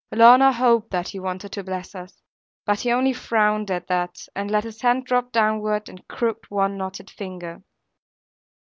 Lorna hoped that he wanted to bless us; but he only frowned at that, and let his hand drop downward, and crooked one knotted finger.